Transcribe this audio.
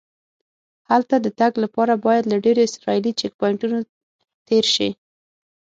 هلته د تګ لپاره باید له ډېرو اسرایلي چیک پواینټونو تېر شې.